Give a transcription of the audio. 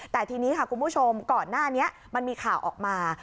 แต่ทีนี้ค่ะคุณผู้ชมก่อนหน้านี้มันมีข่าวออกมา